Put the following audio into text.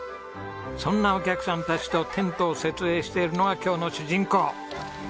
そんなお客さんたちとテントを設営しているのが今日の主人公。